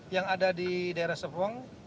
yang ada di daerah serpong